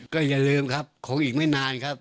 ก็อย่าลืมครับคงอีกไม่นานครับ